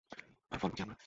আর ফল ভুগি আমরা।